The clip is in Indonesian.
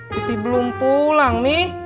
pipih belum pulang mih